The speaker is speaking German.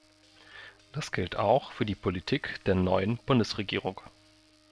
Das gilt auch für die Politik der neuen Bundesregierung.